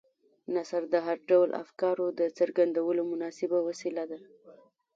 نثر د هر ډول افکارو د څرګندولو مناسبه وسیله ده.